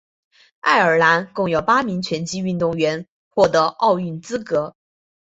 爱尔兰共有八名拳击运动员获得奥运资格。